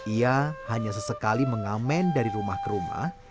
ia hanya sesekali mengamen dari rumah ke rumah